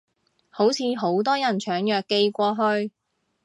好似好多人搶藥寄過去